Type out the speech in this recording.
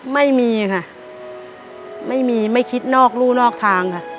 ไม่มีค่ะไม่มีไม่คิดนอกรู่นอกทางค่ะ